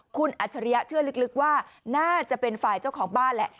คุณอัจฉริยะเชื่อลึกว่าน่าจะเป็นฝ่ายเจ้าของบ้านแหละ